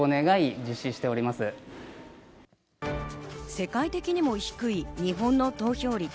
世界的にも低い日本の投票率。